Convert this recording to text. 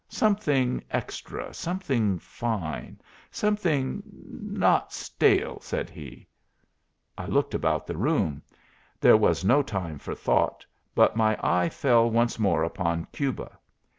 "Something extra, something fine, something not stale," said he. I looked about the room. There was no time for thought, but my eye fell once more upon Cuba.